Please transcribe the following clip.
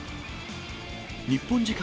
日本時間